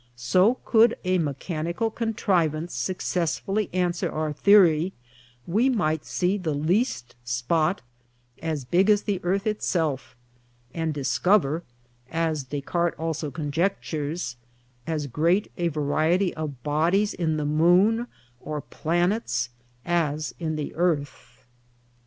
So, could a Mechanical contrivance succesfully answer our Theory, we might see the least spot as big as the Earth it self; and Discover, as Des Cartes also conjectures, as great a variety of bodies in the Moon, or Planets, as in the Earth.